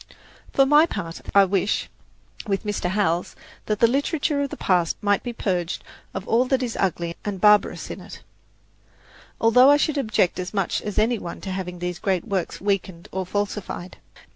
For my part, I wish, with Mr. Howells, that the literature of the past might be purged of all that is ugly and barbarous in it, although I should object as much as any one to having these great works weakened or falsified.